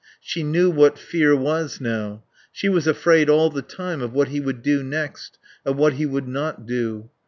She knew what fear was now. She was afraid all the time of what he would do next, of what he would not do.